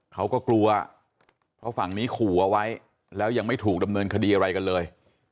เขาก็กลัวเพราะฝั่งนี้ขู่เอาไว้แล้วยังไม่ถูกดำเนินคดีอะไรกันเลย